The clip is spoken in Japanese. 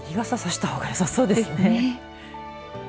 日傘をさしたほうがよさそうですね。